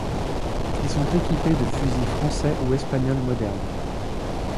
Ils sont équipés de fusils français ou espagnols modernes.